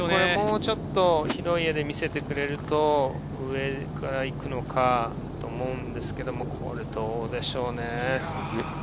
もうちょっと広い画で見せてくれると、上から行くのかと思うんですけれど、これどうでしょうね？